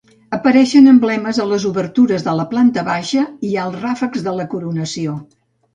Apareixen emblemes a les obertures de la planta baixa i als ràfecs de la coronació.